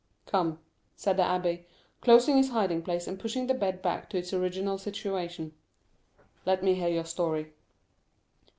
"Come," said the abbé, closing his hiding place, and pushing the bed back to its original situation, "let me hear your story."